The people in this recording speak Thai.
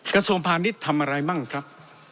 กระทรวงพาณิชย์ทำอะไรมั่งครับ